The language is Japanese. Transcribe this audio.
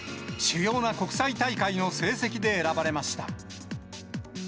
主要な国際大会の成績で選ばれました。